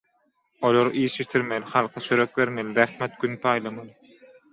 Olar iş bitirmeli, halka çörek bermeli, zähmet gün paýlamaly